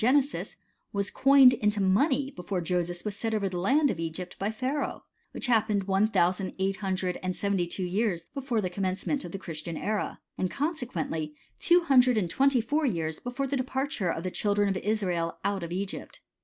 53 Genesis, was coined into money before Joseph was set over the land of I^ypt by Pharaoh, which happened one thousand eight hundred and seventy two years before the commencement of the Christian era, and conse * Suently two hundred and twenty four years before the eparture of the children of Israel out of Egypt.